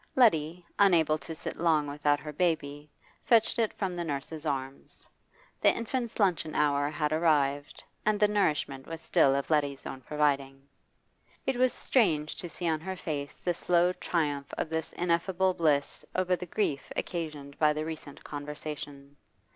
Letty, unable to sit long without her baby, fetched it from the nurse's arms. The infant's luncheon hour had arrived, and the nourishment was still of Letty's own providing. It was strange to see on her face the slow triumph of this ineffable bliss over the grief occasioned by the recent conversation.